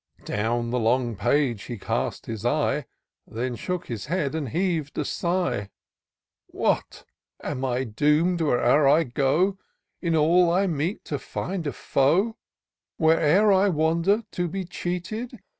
Down the long page he cast his eye, Then shook his head, and heav'd a sigh, " What ! am 1 doom'd, where'er I go. In all I meet to find a foe ? Where'er I wander, to be cheated.